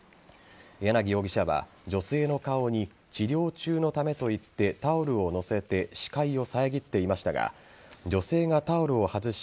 柳容疑者は女性の顔に治療中のためと言ってタオルを載せて視界を遮っていましたが女性がタオルを外し